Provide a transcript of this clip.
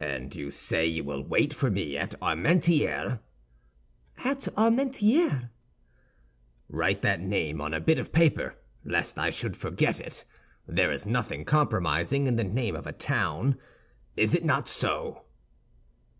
"And you say you will wait for me at Armentières?" "At Armentières." "Write that name on a bit of paper, lest I should forget it. There is nothing compromising in the name of a town. Is it not so?"